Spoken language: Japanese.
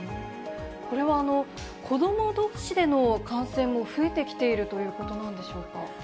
これは、子どもどうしでの感染も増えてきているということなんでしょうか。